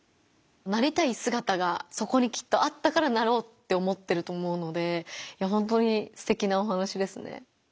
なりたいすがたがそこにきっとあったからなろうって思ってると思うのでほんとにすてきなお話ですね。